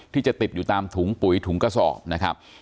ที่จะติดอยู่ตามถุงปุ๋ยถุงกระสอบนะครับ